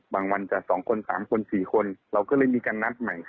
บางวันจะ๒๔คนเราก็เลยมีการนัดใหม่